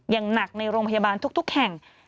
อย่างหนักในโรงพยาบาลทุกแห่ง